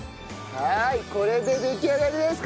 はいこれで出来上がりです。